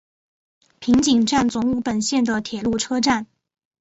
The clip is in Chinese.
平井站总武本线的铁路车站。